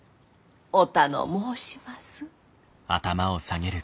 お頼申します。